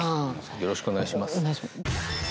よろしくお願いします。